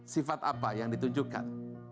sifat apa yang ditunjukkan